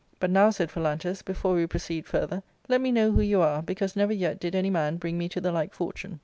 But now," said Phalantus, " before we proceed further, let me know who you are, because never yet did any man bring me to the like fortune."